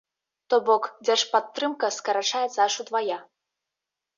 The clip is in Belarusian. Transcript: То бок, дзяржпадтрымка скарачаецца аж удвая!